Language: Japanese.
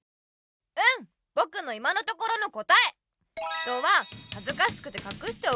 うん！ぼくの今のところの答え！